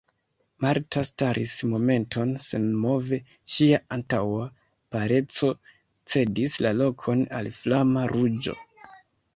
Marta staris momenton senmove, ŝia antaŭa paleco cedis la lokon al flama ruĝo.